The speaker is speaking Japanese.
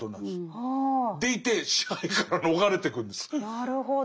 なるほど。